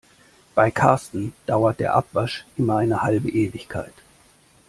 Bei Karsten dauert der Abwasch immer eine halbe Ewigkeit.